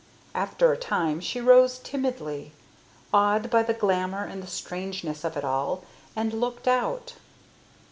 After a time she rose timidly, awed by the glamour and the strangeness of it all, and looked out.